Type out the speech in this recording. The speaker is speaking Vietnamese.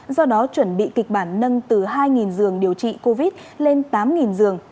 do đó chuẩn bị kịch bản nâng từ hai dường điều trị covid một mươi chín lên tám dường